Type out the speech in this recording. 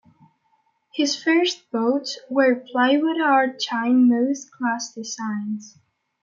His first boats were plywood hard chine Moth class designs.